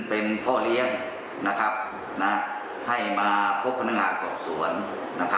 เป็นข้อเลี้ยงนะครับให้มาพบพนักงานส่อมสวน